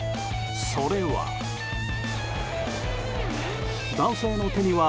それは。